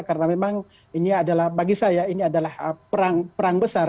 karena memang ini adalah bagi saya ini adalah perang besar